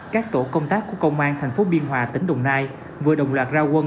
các tổ công tác của công an thành phố biên hòa tỉnh đồng nai vừa đồng loạt ra quân